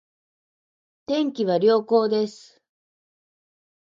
天気は良好です